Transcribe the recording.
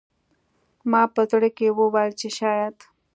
ما په زړه کې وویل چې شاید